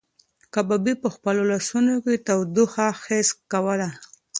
کبابي په خپلو لاسو کې تودوخه حس کوله.